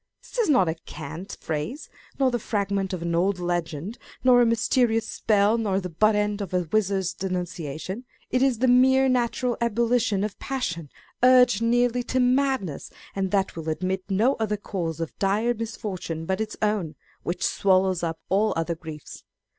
This is not a cant phrase, nor the fragment of an old legend, nor a mysterious spell, nor the butt end of a wizard's denunciation. It is the mere natural ebullition of passion, urged nearly to madness, and that will admit no other cause of dire misfortune but its own, which swallows up all other griefs.